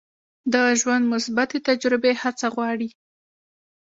د ژوند مثبتې تجربې هڅه غواړي.